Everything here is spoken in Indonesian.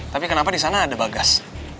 tapi kenapa di sana ada bagas